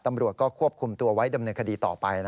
ตำรวจก็ควบคุมตัวไว้ดำเนินคดีต่อไป